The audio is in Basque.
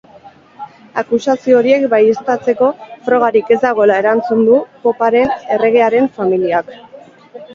Akusazio horiek baieztatzeko frogarik ez dagoela erantzun du poparen erregearen familiak.